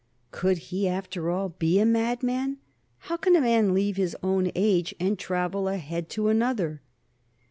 Could he, after all, be a madman? "How can a man leave his own age and travel ahead to another?"